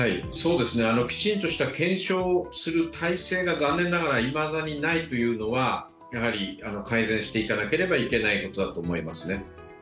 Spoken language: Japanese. きちんとした検証をする体制が残念ながらいまだにないというのは改善していただければいけないことだと思いますね。